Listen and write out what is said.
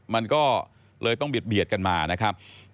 มันก็เลยต้องเบียดกันมานะครับ